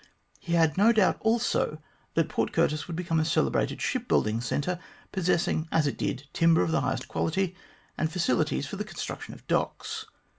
He had no doubt also that Port Curtis would become a celebrated ship building centre, possessing as it did timber of the highest quality and facilities for the construction of docks.